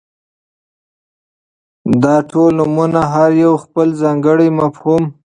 داټول نومونه هر يو خپل ځانګړى مفهوم ،